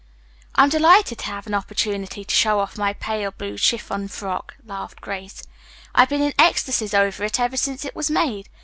"I'm delighted to have an opportunity to show off my pale blue chiffon frock," laughed Grace. "I've been in ecstasies over it ever since it was made.